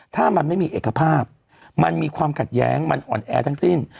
ถ้ามันไม่มีเอกภาพมันมีความขัดแย้งมันอ่อนแอทั้งสิ้น